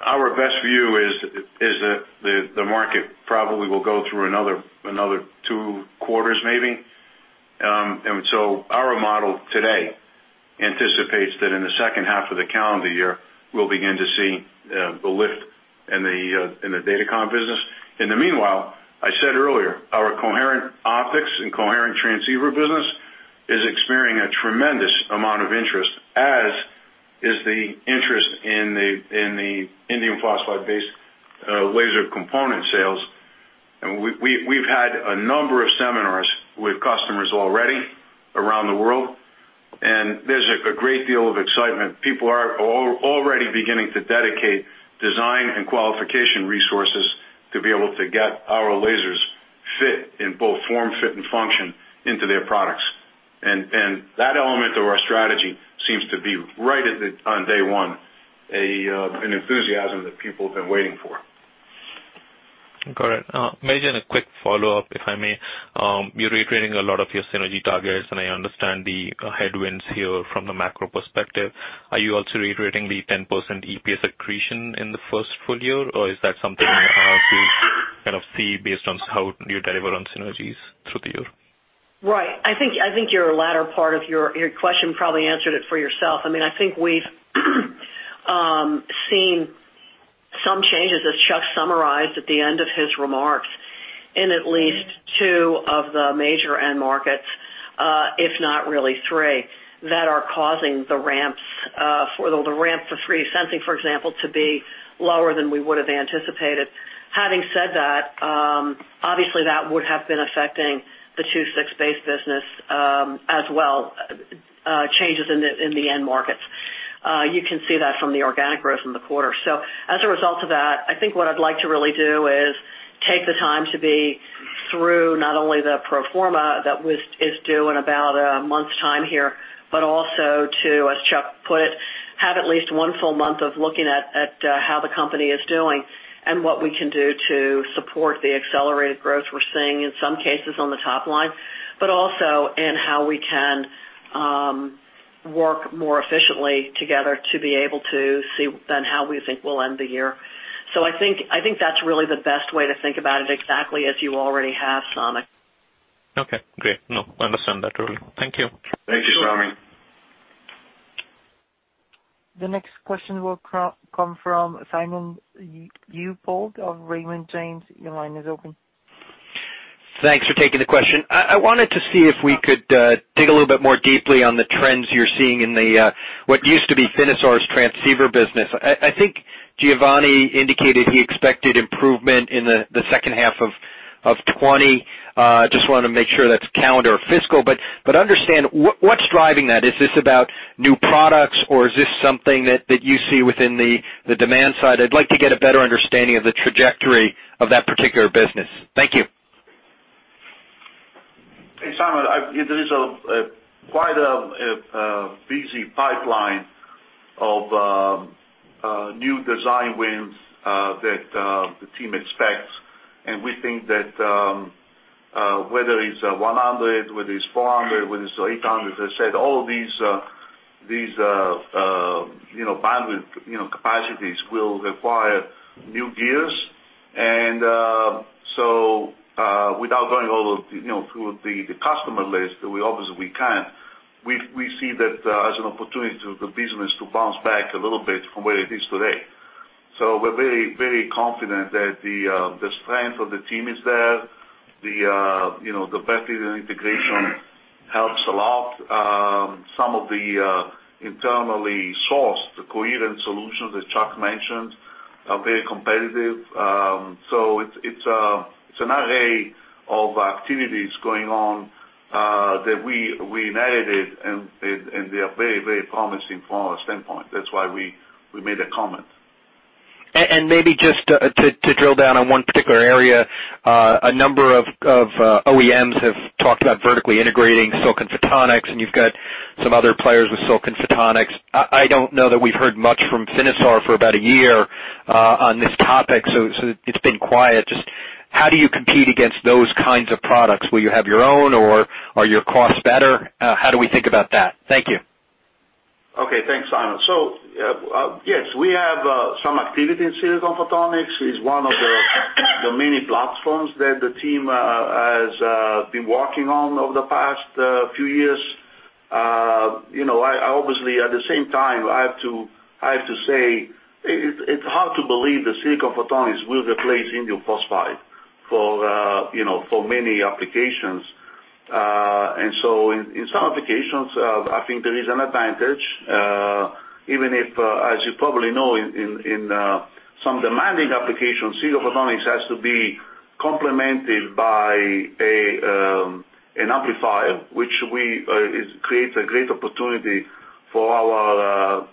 our best view is that the market probably will go through another two quarters, maybe. Our model today anticipates that in the second half of the calendar year, we will begin to see the lift in the datacom business. In the meanwhile, I said earlier, our coherent optics and coherent transceiver business is experiencing a tremendous amount of interest, as is the interest in the indium phosphide-based laser component sales. We have had a number of seminars with customers already around the world. There is a great deal of excitement. People are already beginning to dedicate design and qualification resources to be able to get our lasers fit in both form, fit, and function into their products. That element of our strategy seems to be right on day one, an enthusiasm that people have been waiting for. Got it. Mary Jane, a quick follow-up, if I may. You're reiterating a lot of your synergy targets, and I understand the headwinds here from the macro perspective. Are you also reiterating the 10% EPS accretion in the first full year? Or is that something you kind of see based on how you deliver on synergies through the year? Right. I think your latter part of your question probably answered it for yourself. I mean, I think we've seen some changes, as Chuck summarized at the end of his remarks, in at least two of the major end markets, if not really three, that are causing the ramp for 3D sensing, for example, to be lower than we would have anticipated. Having said that, obviously, that would have been affecting the II-VI-based business as well, changes in the end markets. You can see that from the organic growth in the quarter. As a result of that, I think what I'd like to really do is take the time to be through not only the proforma that is due in about a month's time here, but also to, as Chuck put it, have at least one full month of looking at how the company is doing and what we can do to support the accelerated growth we're seeing in some cases on the top line, but also in how we can work more efficiently together to be able to see then how we think we'll end the year. I think that's really the best way to think about it exactly as you already have, Samik. Okay. Great. No, I understand that totally. Thank you. Thank you, Samik. The next question will come from Simon Leopold of Raymond James. Your line is open. Thanks for taking the question. I wanted to see if we could dig a little bit more deeply on the trends you're seeing in what used to be Finisar's transceiver business. I think Giovanni indicated he expected improvement in the second half of 2020. Just wanted to make sure that's calendar or fiscal. I understand, what's driving that? Is this about new products, or is this something that you see within the demand side? I'd like to get a better understanding of the trajectory of that particular business. Thank you. Hey, Simon, there is quite a busy pipeline of new design wins that the team expects. We think that whether it's 100, whether it's 400, whether it's 800, as I said, all of these bandwidth capacities will require new gears. Without going through the customer list, obviously, we can't. We see that as an opportunity for the business to bounce back a little bit from where it is today. We are very, very confident that the strength of the team is there. The better integration helps a lot. Some of the internally sourced coherent solutions that Chuck mentioned are very competitive. It is an array of activities going on that we inherited, and they are very, very promising from our standpoint. That is why we made a comment. Maybe just to drill down on one particular area, a number of OEMs have talked about vertically integrating silicon photonics, and you've got some other players with silicon photonics. I don't know that we've heard much from Finisar for about a year on this topic, so it's been quiet. Just how do you compete against those kinds of products? Will you have your own, or are your costs better? How do we think about that? Thank you. Okay. Thanks, Simon. Yes, we have some activity in silicon photonics. It's one of the many platforms that the team has been working on over the past few years. Obviously, at the same time, I have to say it's hard to believe that silicon photonics will replace indium phosphide for many applications. In some applications, I think there is an advantage. Even if, as you probably know, in some demanding applications, silicon photonics has to be complemented by an amplifier, which creates a great opportunity for our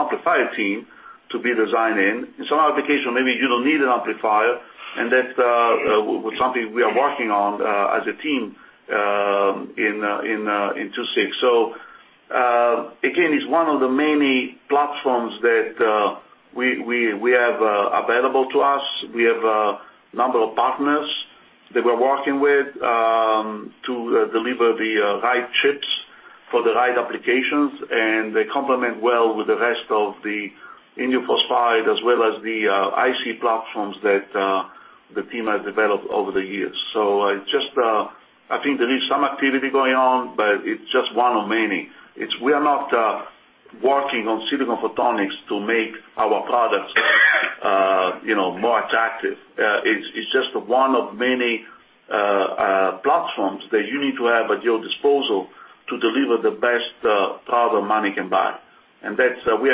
amplifier team to be designing in. In some applications, maybe you don't need an amplifier, and that's something we are working on as a team in. Again, it's one of the many platforms that we have available to us. We have a number of partners that we're working with to deliver the right chips for the right applications, and they complement well with the rest of the indium phosphide as well as the IC platforms that the team has developed over the years. I think there is some activity going on, but it's just one of many. We are not working on silicon photonics to make our products more attractive. It's just one of many platforms that you need to have at your disposal to deliver the best product money can buy. We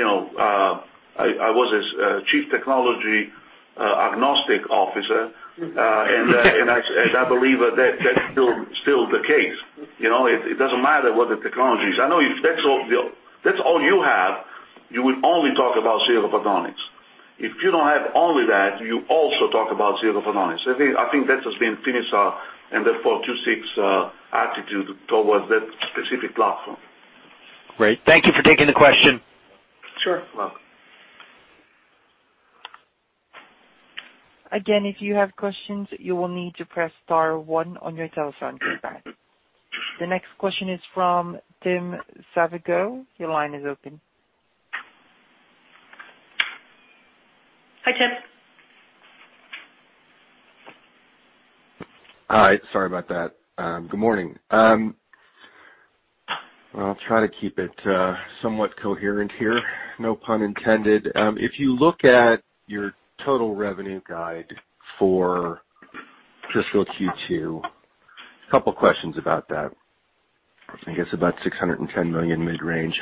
have—I was a Chief Technology Agnostic Officer, and I believe that's still the case. It doesn't matter what the technology is. I know if that's all you have, you would only talk about silicon photonics. If you don't have only that, you also talk about silicon photonics. I think that has been Finisar and therefore II-VI's attitude towards that specific platform. Great. Thank you for taking the question. Sure. Again, if you have questions, you will need to press star one on your telephone to get back. The next question is from Tim Savigo. Your line is open. Hi, Tim. Hi. Sorry about that. Good morning. I'll try to keep it somewhat coherent here, no pun intended. If you look at your total revenue guide for Driscoll Q2, a couple of questions about that, I guess about $610 million mid-range.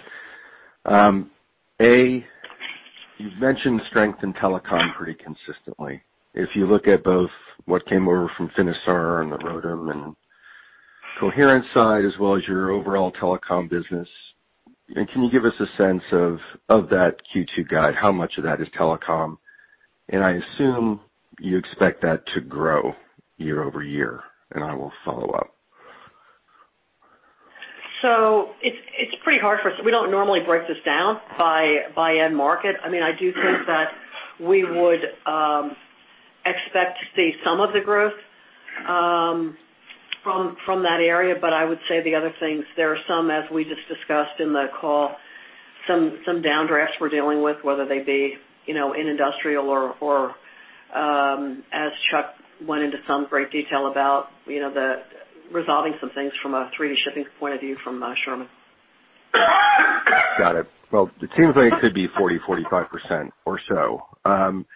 A, you've mentioned strength in telecom pretty consistently. If you look at both what came over from Finisar and the Rotem and coherent side as well as your overall telecom business, can you give us a sense of that Q2 guide? How much of that is telecom? I assume you expect that to grow year over year, and I will follow up. It is pretty hard for us. We do not normally break this down by end market. I mean, I do think that we would expect to see some of the growth from that area, but I would say the other things, there are some, as we just discussed in the call, some down drafts we are dealing with, whether they be in industrial or, as Chuck went into some great detail about, resolving some things from a 3D shipping point of view from Sherman. Got it. It seems like it could be 40%-45% or so. That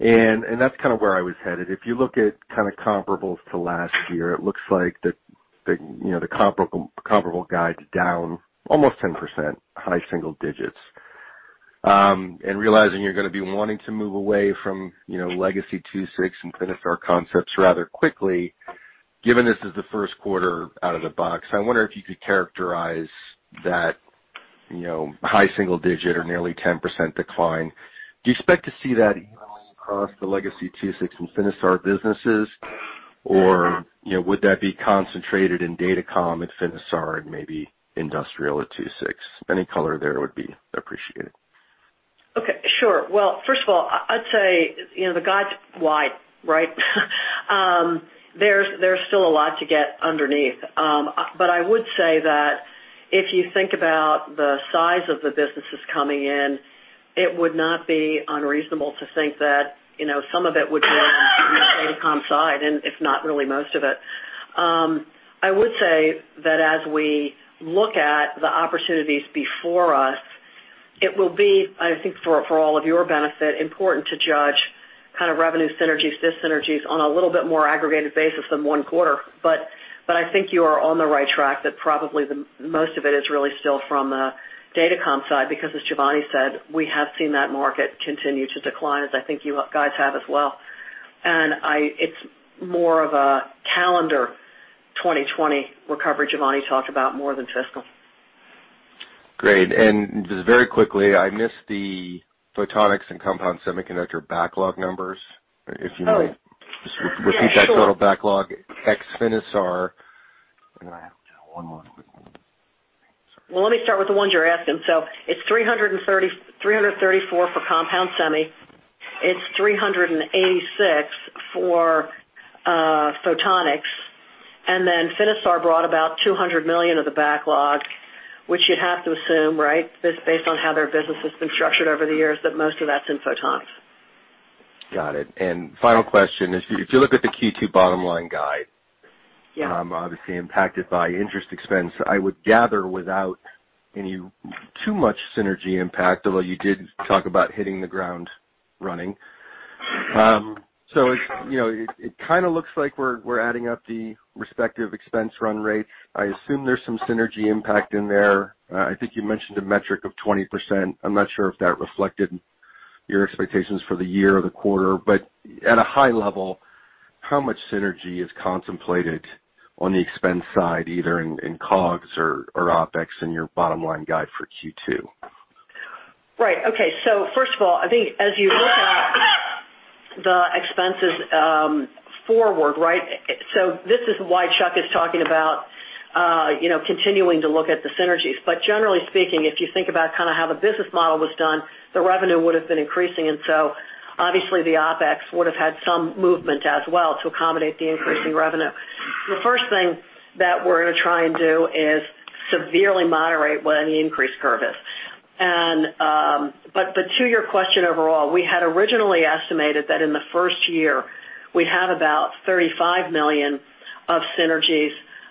is kind of where I was headed. If you look at kind of comparables to last year, it looks like the comparable guide is down almost 10%, high single digits. Realizing you are going to be wanting to move away from legacy II-VI and Finisar concepts rather quickly, given this is the first quarter out of the box, I wonder if you could characterize that high single digit or nearly 10% decline. Do you expect to see that evenly across the legacy II-VI and Finisar businesses, or would that be concentrated in datacom and Finisar and maybe industrial at II-VI? Any color there would be appreciated. Okay. Sure. First of all, I'd say the guide's wide, right? There's still a lot to get underneath. I would say that if you think about the size of the businesses coming in, it would not be unreasonable to think that some of it would be on the datacom side, if not really most of it. I would say that as we look at the opportunities before us, it will be, I think for all of your benefit, important to judge kind of revenue synergies, disynergies on a little bit more aggregated basis than one quarter. I think you are on the right track that probably most of it is really still from the datacom side because, as Giovanni said, we have seen that market continue to decline, as I think you guys have as well. It is more of a calendar 2020 recovery Giovanni talked about more than fiscal. Great. Very quickly, I missed the photonics and compound semiconductor backlog numbers. If you know, just repeat that total backlog ex-Finisar. I have one more. Let me start with the ones you're asking. It's $334 million for compound semi. It's $386 million for photonics. Finisar brought about $200 million of the backlog, which you'd have to assume, right, based on how their business has been structured over the years, that most of that's in photonics. Got it. Final question. If you look at the Q2 bottom line guide, obviously impacted by interest expense, I would gather without any too much synergy impact, although you did talk about hitting the ground running. It kind of looks like we are adding up the respective expense run rates. I assume there is some synergy impact in there. I think you mentioned a metric of 20%. I am not sure if that reflected your expectations for the year or the quarter. At a high level, how much synergy is contemplated on the expense side, either in COGS or OpEx in your bottom line guide for Q2? Right. Okay. First of all, I think as you look at the expenses forward, right, this is why Chuck is talking about continuing to look at the synergies. Generally speaking, if you think about kind of how the business model was done, the revenue would have been increasing. Obviously, the OpEx would have had some movement as well to accommodate the increasing revenue. The first thing that we're going to try and do is severely moderate what any increase curve is. To your question overall, we had originally estimated that in the first year, we'd have about $35 million of synergies.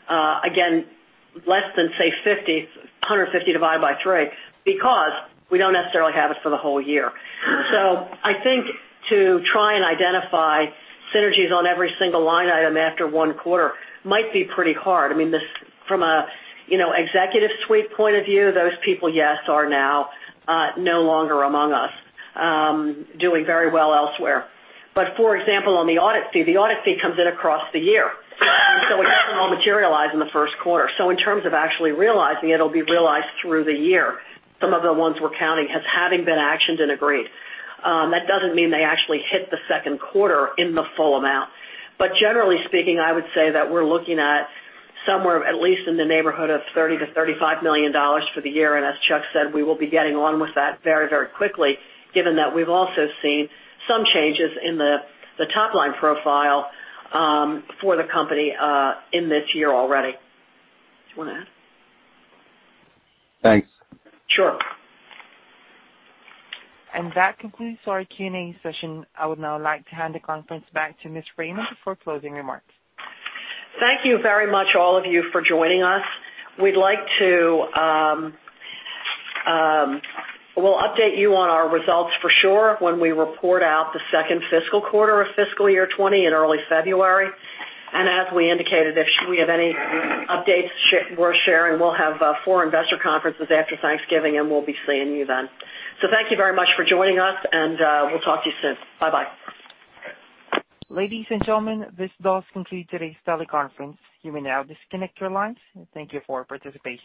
Again, less than, say, $150 million divided by three because we do not necessarily have it for the whole year. I think to try and identify synergies on every single line item after one quarter might be pretty hard. I mean, from an executive suite point of view, those people, yes, are now no longer among us, doing very well elsewhere. For example, on the audit fee, the audit fee comes in across the year. It does not all materialize in the first quarter. In terms of actually realizing, it will be realized through the year. Some of the ones we are counting have been actioned and agreed. That does not mean they actually hit the second quarter in the full amount. Generally speaking, I would say that we are looking at somewhere at least in the neighborhood of $30 million-$35 million for the year. As Chuck said, we will be getting on with that very, very quickly, given that we have also seen some changes in the top line profile for the company in this year already. Do you want to add? Thanks. Sure. That concludes our Q&A session. I would now like to hand the conference back to Ms. Raymond for closing remarks. Thank you very much, all of you, for joining us. We'd like to update you on our results for sure when we report out the second fiscal quarter of fiscal year 2020 in early February. As we indicated, if we have any updates worth sharing, we'll have four investor conferences after Thanksgiving, and we'll be seeing you then. Thank you very much for joining us, and we'll talk to you soon. Bye-bye. Ladies and gentlemen, this does conclude today's teleconference. You may now disconnect your lines. Thank you for participating.